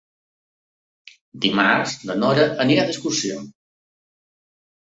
Dimarts na Nora anirà d'excursió.